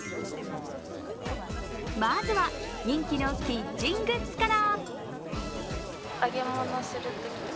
まずは人気のキッチングッズから。